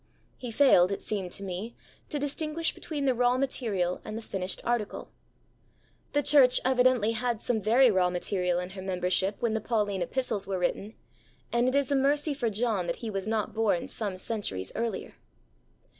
He failed, it seemed to me, to distinguish between the raw material and the finished article. The Church evidently had some very raw material in her membership when the Pauline Epistles were written; and it is a mercy for John that he was not born some centuries earlier.